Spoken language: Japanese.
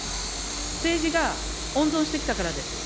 政治が温存してきたからです。